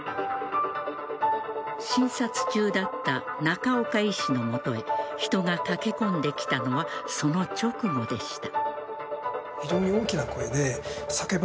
診察中だった中岡医師の元へ人が駆け込んできたのはその直後でした。